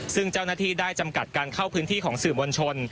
ซึ่งเจ้าหน้าที่ได้จำกัดการเข้าพื้นที่ของสื่อมวลชน